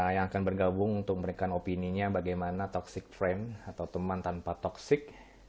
yang akan bergabung untuk memberikan opini nya bagaimana toksik friend atau teman tanpa toksik